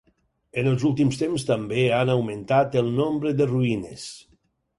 En els últims temps també han augmentat el nombre de ruïnes.